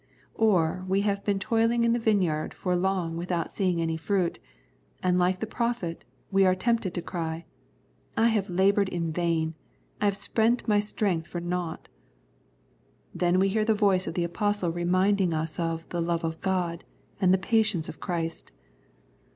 Or we have been toiling in the vineyard for long without seeing any fruit, and like the prophet, we are tempted to cry :" I have laboured in vain, I have spent my strength for nought." Then we hear the voice of the Apostle re minding us of " the love of God " and " the patience of Christ."